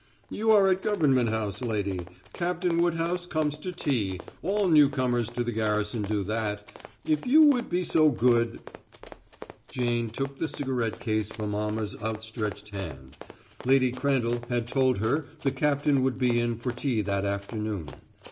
"You are at Government House, lady. Captain Woodhouse comes to tea all newcomers to the garrison do that. If you would be so good " Jane took the cigarette case from Almer's outstretched hand. Lady Crandall had told her the captain would be in for tea that afternoon.